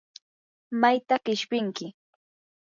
¿mayta qishpinki?